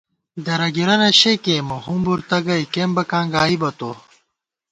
درَگِرَنہ شےکېئیمہ ہُمبر تہ گئ کېمبَکاں گائیبہ تو